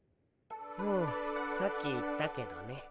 うんさっき言ったけどね。